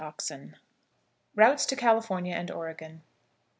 Arms. ROUTES TO CALIFORNIA AND OREGON.